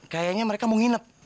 kayaknya mereka mau nginep